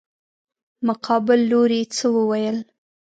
مقابل لوري څه وويل.